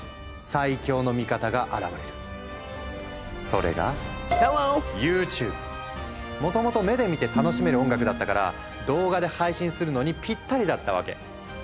それがもともと「目で見て楽しめる音楽」だったから動画で配信するのにぴったりだったわけ。